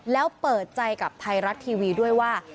แล้วเปิดใจกับไทยรัฐทีวีด้วยว่า